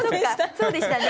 そうでしたね。